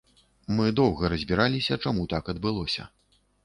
Мы доўга разбіраліся, чаму так адбылося.